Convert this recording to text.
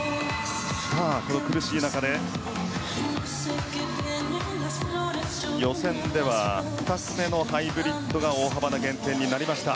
この苦しい中で予選では２つ目のハイブリッドが大幅な減点になりました。